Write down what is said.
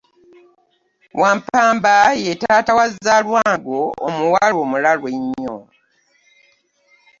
Wampamba ye taata wa Zalwango omuwala omulalu ennyo.